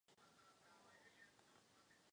Podél slepé ulice leží stěžejní část osídlení obce.